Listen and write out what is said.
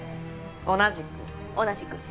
同じく。同じく。